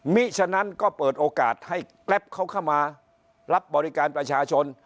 ฉะนั้นก็เปิดโอกาสให้แกรปเขาเข้ามารับบริการประชาชน